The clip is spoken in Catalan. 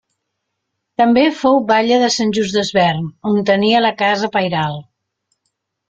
També fou batlle de Sant Just Desvern, on tenia la casa pairal.